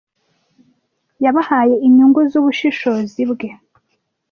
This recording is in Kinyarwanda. Yabahaye inyungu zubushishozi bwe.